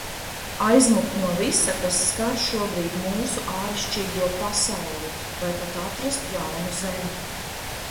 Aizmukt no visa, kas skar šobrīd mūsu ārišķīgo pasauli. Vai pat atrast jaunu Zemi.